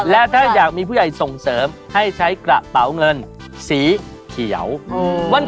และถ้าอยากมีผู้ใหญ่ส่งเสริมให้ใช้กระเป๋าเงินสีเขียว